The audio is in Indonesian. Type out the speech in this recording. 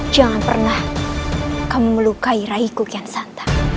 jangan pernah kamu melukai raiku gensan